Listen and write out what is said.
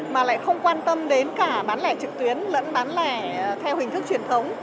mà lại không quan tâm đến cả bán lẻ trực tuyến lẫn bán lẻ theo hình thức truyền thống